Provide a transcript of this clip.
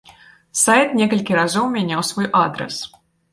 Сайт некалькі разоў мяняў свой адрас.